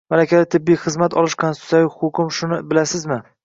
Malakali tibbiy xizmat olish konstitutsiyaviy huquqim shuni bilasizmi?